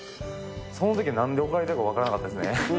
そのときは、なんで怒られたか分からなかったですね。